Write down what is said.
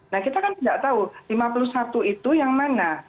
nah kita kan tidak tahu lima puluh satu itu yang mana